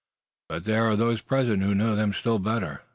But there are those present who know them still better.